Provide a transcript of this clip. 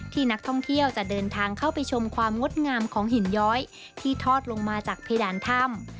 นักท่องเที่ยวจะเดินทางเข้าไปชมความงดงามของหินย้อยที่ทอดลงมาจากเพดานถ้ำ